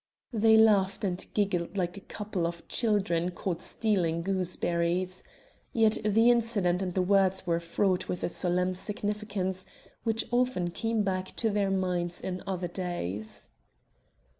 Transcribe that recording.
They laughed and giggled like a couple of children caught stealing gooseberries. Yet the incident and the words were fraught with a solemn significance which often came back to their minds in other days.